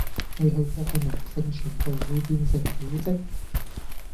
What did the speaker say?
你去過嘅名勝全部會變成古蹟